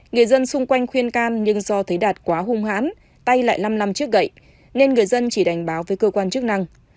người dân xung quanh khuyên can nhưng do thấy đạt quá hung hãn tay lại năm năm trước gậy nên người dân chỉ đành báo với cơ quan chức năng